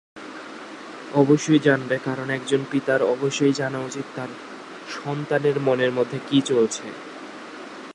শুনো একজন পিতা কি তার মেয়ের মনের খবর জানবে না?